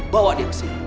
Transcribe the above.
bawa dia kesini